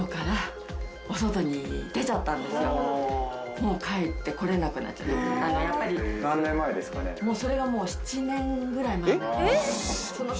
もう帰って来れなくなっちゃってあのやっぱりもうそれが７年ぐらい前なんです